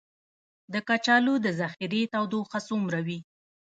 د کچالو د ذخیرې تودوخه څومره وي؟